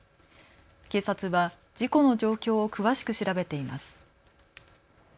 警察は事故の状況を詳しく調べています。